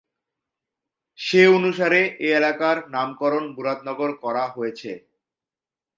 সে অনুসারে এ এলাকার নামকরণ মুরাদনগর করা হয়েছে।